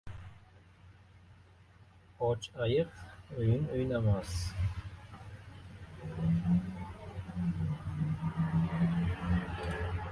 • Och ayiq o‘yin o‘ynamas.